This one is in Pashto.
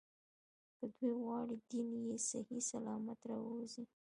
که دوی غواړي دین یې صحیح سلامت راووځي.